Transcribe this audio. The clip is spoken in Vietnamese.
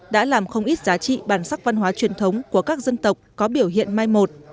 đã làm không ít giá trị bản sắc văn hóa truyền thống của các dân tộc có biểu hiện mai một